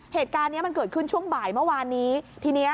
เหตุการณ์มันเกิดขึ้นช่วงบ่ายเมื่อวานนี้